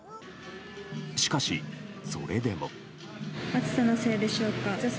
しかし、それでも。